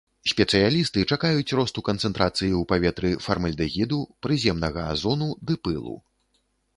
Спецыялісты чакаюць росту канцэнтрацыі ў паветры фармальдэгіду, прыземнага азону ды пылу.